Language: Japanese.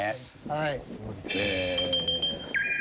はい。